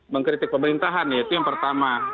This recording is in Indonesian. mengkritik pemerintahan ya itu yang pertama